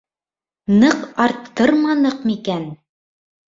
— Ныҡ арттырманыҡ микән?